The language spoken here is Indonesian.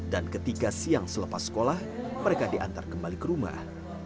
dan ketika siang selepas sekolah mereka diantar kembali ke rumah